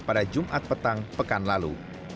pada jumat petang pekan lalu